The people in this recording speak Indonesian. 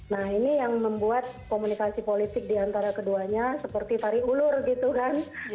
nah ini yang membuat komunikasi politik diantara keduanya seperti tari ulur gitu kan